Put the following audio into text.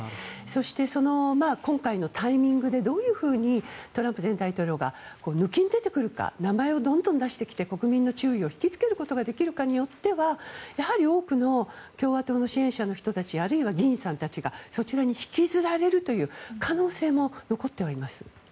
そして今回のタイミングでどういうふうにトランプ前大統領が抜きん出てくるか名前をどんどん出してきて国民の注意を引きつけることができるかによってはやはり多くの共和党の支援者の人たちあるいは議員さんたちがそちらに引きずられるという可能性も残ってはいます。